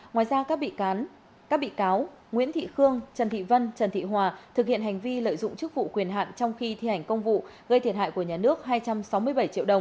ngoài ra các bị cáo nguyễn thị khương trần thị vân trần thị hòa thực hiện hành vi lợi dụng chức vụ quyền hạn trong khi thi hành công vụ gây thiệt hại của nhà nước hai trăm sáu mươi bảy triệu đồng